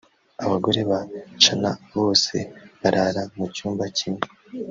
Abagore ba Chana bose barara mu cyumba kimwe